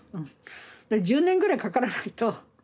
１０年ぐらいかからないと。